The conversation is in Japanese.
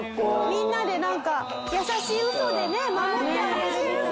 みんなでなんか優しいウソでね守ってあげてるみたい。